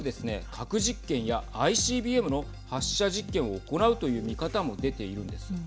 核実験やＩＣＢＭの発射実験を行うという見方も出ているんです。